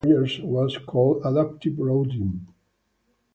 One of the proprietary layers was called Adaptive Routing.